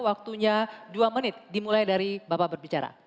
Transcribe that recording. waktunya dua menit dimulai dari bapak berbicara